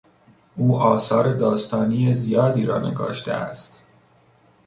او آثار داستانی زیادی را نگاشته است.